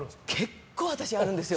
結構、私あるんですよ。